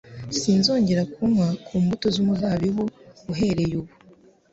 “Sinzongera kunywa ku mbuto z’umuzabibu uhereye ubu ,